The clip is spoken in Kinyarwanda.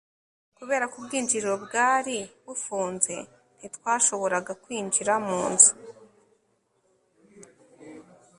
kubera ko ubwinjiriro bwari bufunze, ntitwashoboraga kwinjira mu nzu